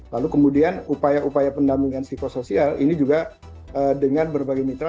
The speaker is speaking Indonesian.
lalu kemudian upaya upaya pendampingan psikosoial ini juga dengan berbagai mitra